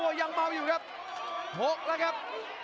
ยังเบาอยู่ครับ๖แล้วครับ